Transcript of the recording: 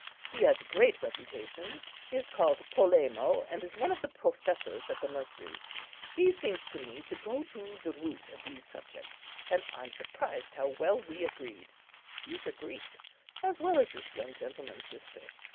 He has a great reputation, he is called Polemo, and is one of the professors at the Mercury. He seems to me to go to the root of these subjects, and I'm surprised how well we agreed. He's a Greek, as well as this young gentleman's sister.